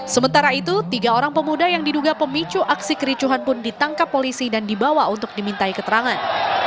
sementara itu tiga orang pemuda yang diduga pemicu aksi kericuhan pun ditangkap polisi dan dibawa untuk dimintai keterangan